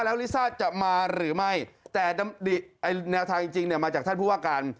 แล้วลิซ่าจะมาหรือไม่แต่แนวทางจริงเนี่ยมาจากท่านผู้ว่าการ